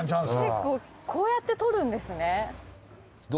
結構こうやって取るんですね。